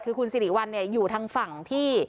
คือคุณสิริวัลอยู่ทางฝั่งที่